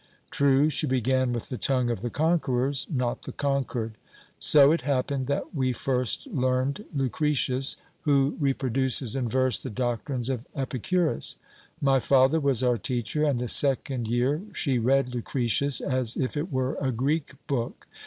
True, she began with the tongue of the conquerors, not the conquered. So it happened that we first learned Lucretius, who reproduces in verse the doctrines of Epicurus. My father was our teacher, and the second year she read Lucretius as if it were a Greek book.